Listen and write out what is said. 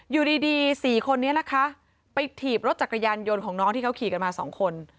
อยู่ดี๔คนนี้นะคะไปถีบรถจักรยานยนต์ของน้องที่เขาขี่กันมา๒คน